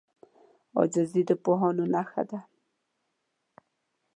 عاجزي د پوهانو نښه ده.